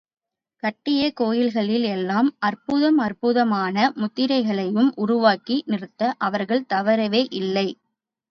கட்டிய கோயில்களில் எல்லாம் அற்புதம் அற்புதமான மூர்த்திகளையும் உருவாக்கி நிறுத்த அவர்கள் தவறவே இல்லை.